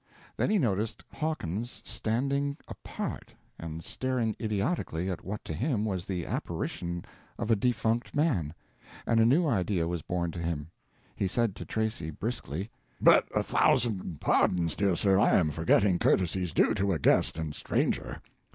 Then he noticed Hawkins standing apart and staring idiotically at what to him was the apparition of a defunct man, and a new idea was born to him. He said to Tracy briskly: "But a thousand pardons, dear sir, I am forgetting courtesies due to a guest and stranger.